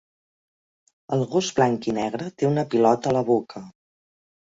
El gos blanc i negre té una pilota a la boca.